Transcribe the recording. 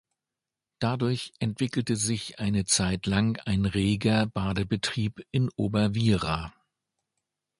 Dadurch entwickelte sich eine Zeit lang ein reger Badebetrieb in Oberwiera.